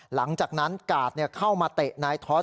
หลังจากนั้นกาดเข้ามาเตะนายทอส